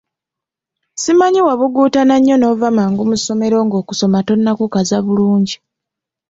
Simanyi wabuguutana nnyo n'ova mangu mu ssomero ng'okusoma tonnakukaza bulungi?